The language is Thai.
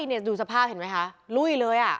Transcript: นี่ดูสภาพเห็นไหมคะลุยเลย